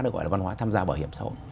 nó gọi là văn hóa tham gia bảo hiểm xã hội